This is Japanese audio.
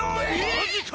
マジか！